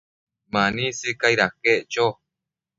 Mani sicaid aquec cho